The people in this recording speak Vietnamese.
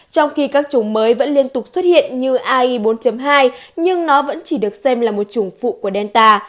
trong khi các chủng mới vẫn liên tục xuất hiện như ai bốn hai nhưng nó vẫn chỉ được xem là một chủng phụ của delta